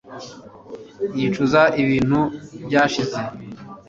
Yicuza ibintu byashize